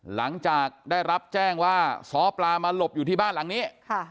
หลังจากได้รับแจ้งว่าซ้อปลามาหลบอยู่ที่บ้านหลังนี้